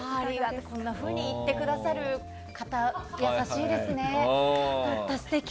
そんなふうに言ってくださる方優しいですね。